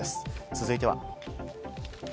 続いては。